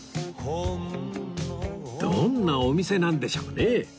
どんなお店なんでしょうね？